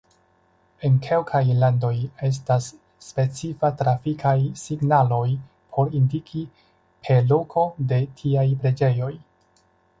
En kelkaj landoj estas specifa trafikaj signaloj por indiki pe lokon de tiaj preĝejoj.